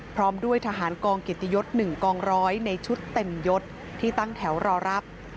พร้อมด้วยทหารกองเกียรติยศ๑กองร้อยในชุดเต็มยศที่ตั้งแถวรอรับ